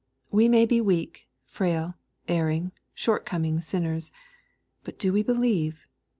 We may be weak, frail, erring, short coming sinners. But do we believe